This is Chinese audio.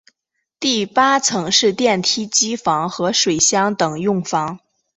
第八层是电梯机房和水箱等用房。